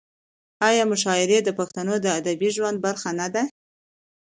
آیا مشاعرې د پښتنو د ادبي ژوند برخه نه ده؟